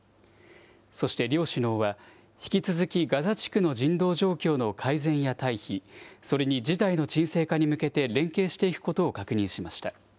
そして両首脳は、引き続きガザ地区の人道状況の改善や退避、それに事態の沈静化に向けて連携していくことを確認しました。